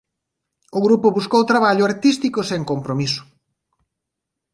O grupo buscou traballo artístico sen compromiso.